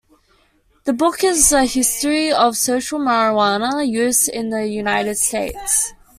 The book is a history of social marijuana use in the United States.